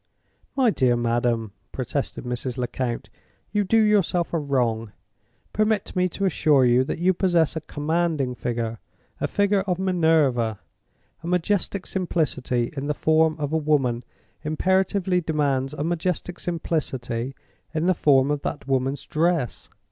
"My dear madam," protested Mrs. Lecount, "you do yourself a wrong! Permit me to assure you that you possess a commanding figure—a figure of Minerva. A majestic simplicity in the form of a woman imperatively demands a majestic simplicity in the form of that woman's dress.